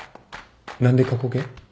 何で過去形？